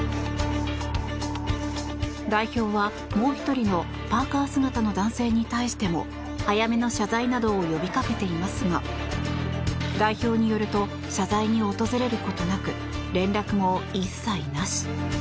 代表は、もう１人のパーカ姿の男性に対しても早めの謝罪などを呼び掛けていますが代表によると謝罪に訪れることなく連絡も一切なし。